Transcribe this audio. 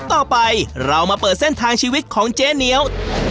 ต่อไปเรามาเปิดเส้นทางชีวิตของเจ๊เหนียว